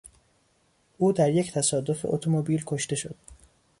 او در یک تصادف اتومبیل کشته شد.